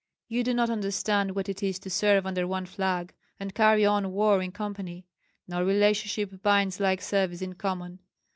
You do not understand what it is to serve under one flag and carry on war in company. No relationship binds like service in common.